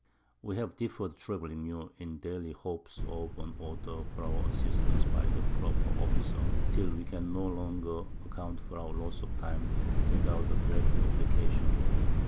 _ _We have deferr'd troubling you, in daily Hopes of an Order for our Assistance by the proper Officer, till we can no longer account for our Loss of Time, without a direct Application.